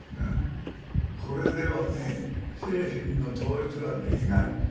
これではね精神の統一ができないと。